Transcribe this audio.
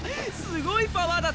すごいパワーだ